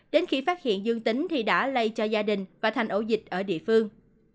đến khi phát hiện dương tính thì đã lây cho gia đình và thành ổ dịch ở địa phương